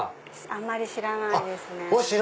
あまり知らないですね。